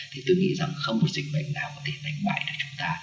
thì tôi nghĩ rằng không một dịch bệnh nào có thể đánh bại được chúng ta